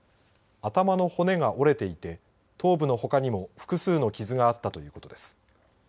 頭の骨が折れていて頭部のほかにも複数の傷があったということです。